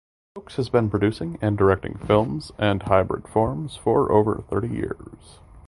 Ochs has been producing and directing film and hybrid forms for over thirty years.